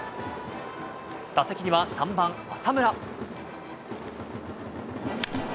打席には３番・浅村。